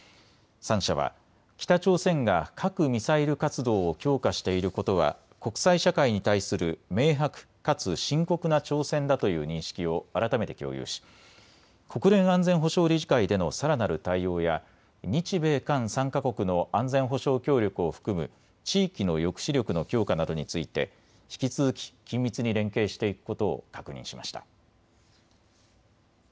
３者は北朝鮮が核・ミサイル活動を強化していることは国際社会に対する明白かつ深刻な挑戦だという認識を改めて共有し国連安全保障理事会でのさらなる対応や日米韓３か国の安全保障協力を含む地域の抑止力の強化などについて引き続き緊密に連携していくことを確認しました。